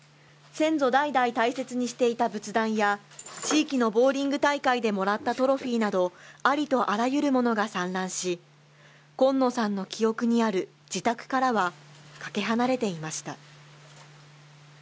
先祖代々大切にしていた仏壇や、地域のボウリング大会でもらったトロフィーなど、ありとあらゆるものが散乱し、今野さんの記憶にある自宅からは、かけ離れていました。